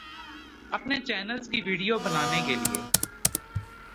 اپنے چینلز کی ویڈیو بنانے کے لیے